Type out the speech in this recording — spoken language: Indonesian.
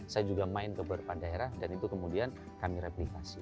saya juga main ke beberapa daerah dan itu kemudian kami replikasi